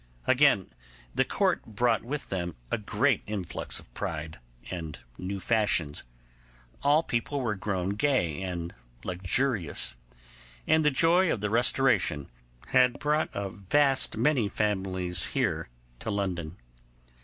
Again, the Court brought with them a great flux of pride, and new fashions. All people were grown gay and luxurious, and the joy of the Restoration had brought a vast many families to London.